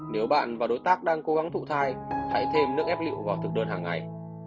nếu bạn và đối tác đang cố gắng thụ thai hãy thêm nước ép liệu vào thực đơn hàng ngày